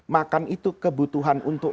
makan itu kebutuhan untuk